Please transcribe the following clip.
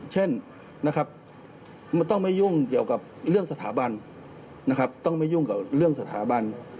เช่นนะครับมันต้องไม่ยุ่งเกี่ยวกับเรื่องสถาบันนะครับต้องไม่ยุ่งกับเรื่องสถาบัน